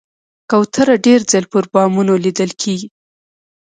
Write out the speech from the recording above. کوتره ډېر ځله پر بامونو لیدل کېږي.